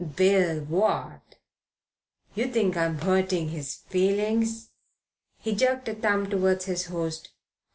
"Bill what? You think I'm 'urting his feelings?" He jerked a thumb towards his host.